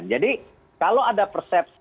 jadi kalau ada persepsi